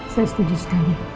saya setuju sekali